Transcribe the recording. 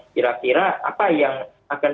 kira kira apa yang akan